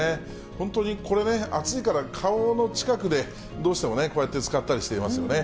本当にこれね、暑いから、顔の近くでどうしてもね、こうやって使ったりしていますよね。